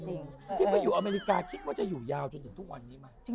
ที่ไปอยู่อเมริกาคิดว่าจะอยู่ยาวจนถึงทุกวันนี้ไหม